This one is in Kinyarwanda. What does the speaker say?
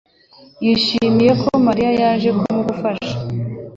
yishimiye ko Mariya yaje kumugufasha.